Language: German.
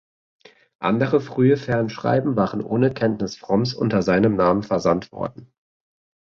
Andere frühe Fernschreiben waren ohne Kenntnis Fromms unter seinem Namen versandt worden.